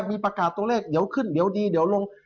มีประกาศตัวเลขเยาว์ขึ้นเยาว์ดีเดียวลง